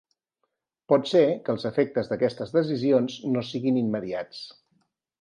Pot ser que els efectes d'aquestes decisions no siguin immediats.